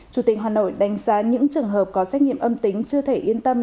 chủ tịch hà nội đánh giá những trường hợp có xét nghiệm âm tính chưa thể yên tâm